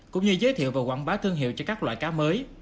cũng như giới thiệu và quảng bá thương hiệu cho các loại cá mới